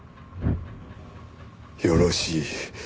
よろしい。